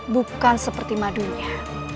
bukan seperti madunya